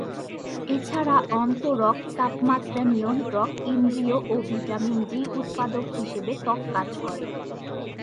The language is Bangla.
এছাড়া অন্তরক, তাপমাত্রা নিয়ন্ত্রক, ইন্দ্রিয় ও ভিটামিন ডি উৎপাদক হিসেবে ত্বক কাজ করে।